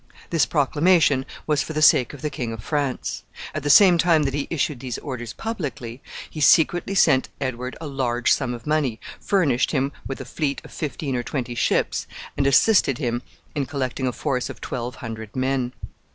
This proclamation was for the sake of the King of France. At the same time that he issued these orders publicly, he secretly sent Edward a large sum of money, furnished him with a fleet of fifteen or twenty ships, and assisted him in collecting a force of twelve hundred men.